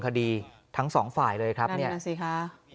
คดีทั้งสองฝ่ายเลยครับเนี่ยนั่นสิค่ะ